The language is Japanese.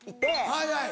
はいはい。